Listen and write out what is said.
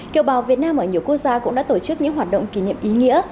kiều bào việt nam ở nhiều quốc gia cũng đã tổ chức những hoạt động kỷ niệm ý nghĩa